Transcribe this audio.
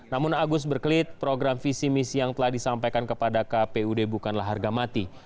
namun agus berkelit program visi misi yang telah disampaikan kepada kpud bukanlah harga mati